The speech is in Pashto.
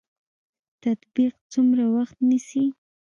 تطبیق څومره وخت نیسي؟